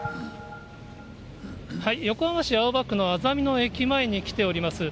横浜市青葉区のあざみ野駅前に来ております。